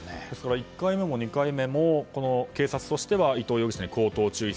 １回目も２回目も警察としては伊藤容疑者に口頭注意。